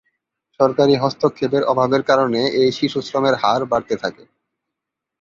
সরকারি হস্তক্ষেপের অভাবের কারণে, এই শিশুশ্রমের হার বাড়তে থাকে।